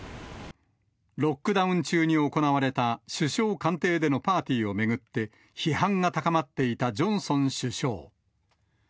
ロックダウン中に行われた首相官邸でのパーティーを巡って、批判が高まっていたジョンソン首相。